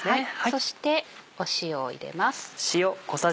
そして塩を入れます。